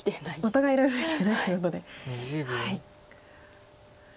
お互いいろいろ生きてないということで。